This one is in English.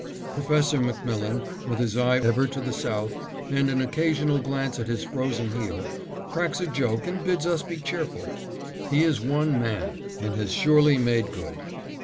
Professor MacMillan, with his eye ever to the south, and an occasional glance at his frozen heel, cracks a joke and bids us be cheerful. He is one man, and has surely made good.